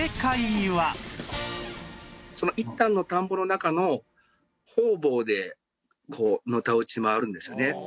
その１反の田んぼの中の方々でこうのたうち回るんですよね。